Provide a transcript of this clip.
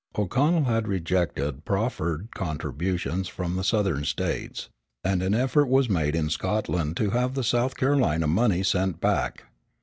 O'Connell had rejected profferred contributions from the Southern States, and an effort was made in Scotland to have the South Carolina money sent back.